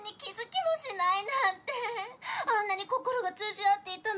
あんなに心が通じ合っていたのよ？